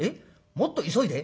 もっと急いで？